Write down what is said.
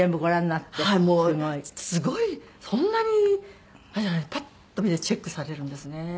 すごいそんなに長谷川さんパッと見てチェックされるんですね。